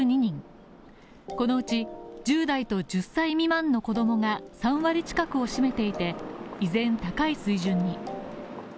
このうち１０代と１０歳未満の子供が３割近くを占めていて依然、高い水準に。